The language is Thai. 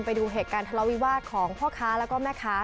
ไปดูเหตุการณ์ทะเลาวิวาสของพ่อค้าแล้วก็แม่ค้า